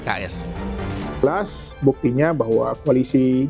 plus buktinya bahwa koalisi